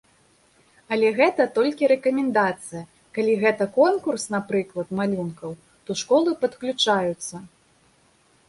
Але гэта толькі рэкамендацыя, калі гэта конкурс, напрыклад, малюнкаў, то школы падключаюцца.